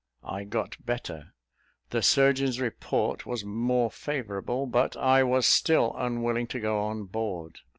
I got better; the surgeon's report was more favourable; but I was still unwilling to go on board.